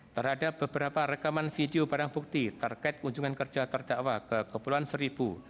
terhadap beberapa rekaman video barang bukti terkait kunjungan kerja terdakwa ke kepulauan seribu